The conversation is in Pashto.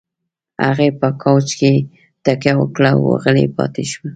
هغې په کاوچ کې تکيه وکړه او غلې پاتې شوه.